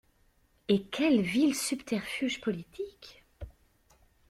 Et quels vils subterfuges politiques!